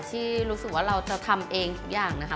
ที่รู้สึกว่าเราจะทำเองทุกอย่างนะคะ